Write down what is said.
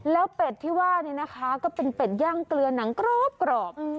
แล้วเป็ดที่ว่านี่นะคะก็เป็นเป็ดย่างเกลือหนังกรอบ